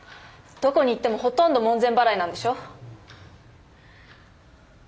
どこに行ってもほとんど門前払いなんでしょ？